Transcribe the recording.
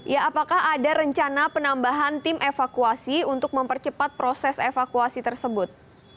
ya apakah ada rencana penambahan tim evakuasi untuk mempercepat proses evakuasi tersebut